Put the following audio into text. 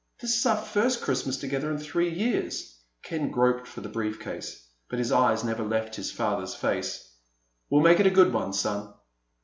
"This is our first Christmas together in three years." Ken groped for the brief case, but his eyes never left his father's face. "We'll make it a good one, son."